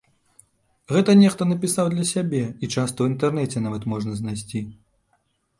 Гэта нехта напісаў для сябе і часта ў інтэрнэце нават можна знайсці.